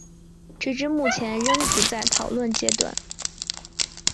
直至目前仍处在讨论阶段。